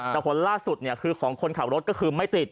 แต่ผลล่าสุดคือของคนขับรถก็คือไม่ติด